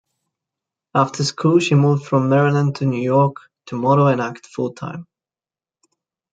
After school, she moved from Maryland to New York to model and act full-time.